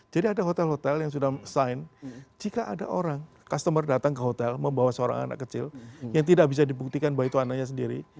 jadi ada hotel hotel yang sudah sign jika ada orang customer datang ke hotel membawa seorang anak kecil yang tidak bisa dibuktikan baik itu anaknya sendiri